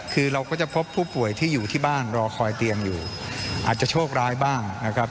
คือเราก็จะพบผู้ป่วยที่อยู่ที่บ้านรอคอยเตียงอยู่อาจจะโชคร้ายบ้างนะครับ